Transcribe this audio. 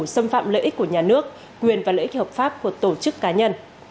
xâm phạm lợi ích của nhà nước quyền và lợi ích hợp pháp của tổ chức cá nhân